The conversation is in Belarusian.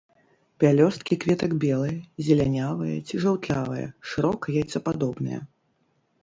Пялёсткі кветак белыя, зелянявыя ці жаўтлявыя, шырока яйцападобныя.